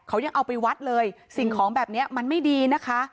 เขายังเอาไปวัดเลยสิ่งของแบบนี้มันไม่ดีนะคะ